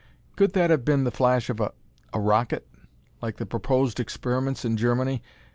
Could that have been the flash of a a rocket? Like the proposed experiments in Germany.